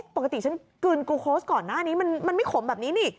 ปกติฉันกลืนกูโค้ชก่อนหน้านี้มันไม่ขมแบบนี้นี่